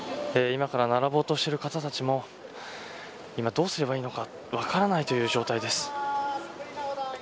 今から並ぼうとしている方たちもどうすればいいのか分からないという状態です。